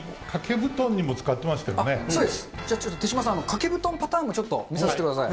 じゃあちょっと手嶋さん、掛け布団パターンもちょっと見させてください。